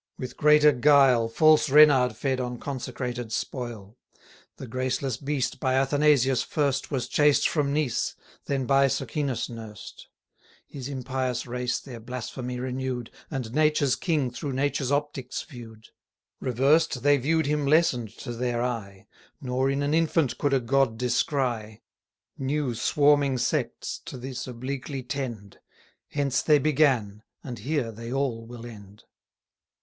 With greater guile False Reynard fed on consecrated spoil: The graceless beast by Athanasius first Was chased from Nice, then by Socinus nursed: His impious race their blasphemy renew'd, And nature's King through nature's optics view'd. Reversed they view'd him lessen'd to their eye, Nor in an infant could a God descry: New swarming sects to this obliquely tend, 60 Hence they began, and here they all will end.